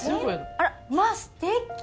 あらまあすてき！